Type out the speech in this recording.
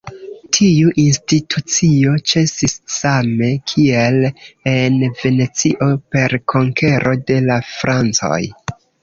Tiu institucio ĉesis same kiel en Venecio, per konkero de la francoj.